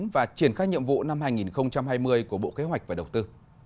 và triển khai nhiệm vụ năm hai nghìn hai mươi của bộ kế hoạch và đầu tư